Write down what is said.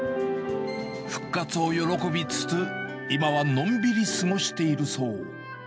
復活を喜びつつ、今はのんびり過ごしているそう。